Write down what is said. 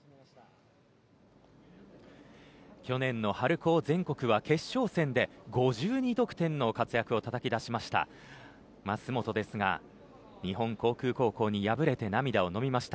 去年の春高全国は決勝戦で５２得点の活躍をたたき出しました舛本ですが日本航空高校に敗れて涙を飲みました。